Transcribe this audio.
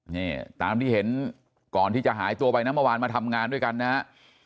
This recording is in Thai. นี่ตามที่เห็นก่อนที่จะหายตัวไปนะเมื่อวานมาทำงานด้วยกันนะฮะ